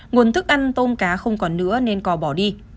nguồn thức ăn tôm cá không còn nữa nên cò bỏ đi